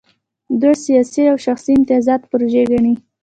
دوی سیاست د شخصي امتیازاتو پروژه ګڼي.